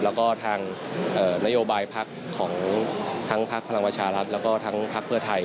แล้วก็ทางนโยบายพักของทั้งพักพลังประชารัฐแล้วก็ทั้งพักเพื่อไทย